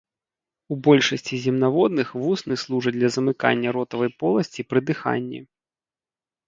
У большасці земнаводных вусны служаць для замыкання ротавай поласці пры дыханні.